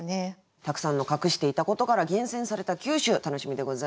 たくさんの「隠していたこと」から厳選された９首楽しみでございます。